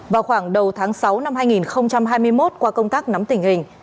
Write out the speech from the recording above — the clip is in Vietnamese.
vào khoảng đầu tháng sáu năm hai nghìn hai mươi một qua công tác nắm tình hình